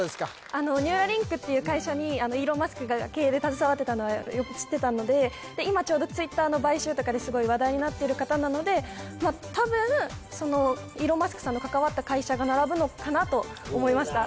あのニューラリンクっていう会社にイーロン・マスクが経営で携わってたのはよく知ってたので今ちょうどＴｗｉｔｔｅｒの買収とかですごい話題になってる方なので多分そのイーロン・マスクさんの関わった会社が並ぶのかなと思いました